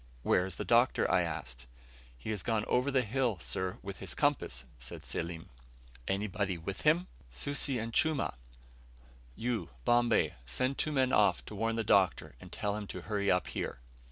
"Where is the Doctor?" I asked. "He has gone over that hill, sir, with his compass," said Selim. "Anybody with him?" "Susi and Chumah." "You, Bombay, send two men off to warn the Doctor, and tell him to hurry up here."